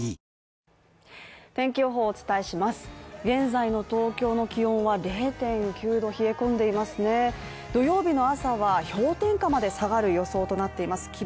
現在の東京の気温は０．９℃冷え込んでいますね土曜日の朝は氷点下まで下がる予想となっています